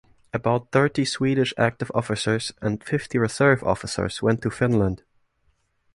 About thirty Swedish active officers and fifty reserve officers went to Finland.